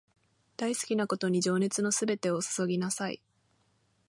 大好きなことに情熱のすべてを注ぎなさい